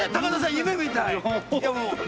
夢みたい！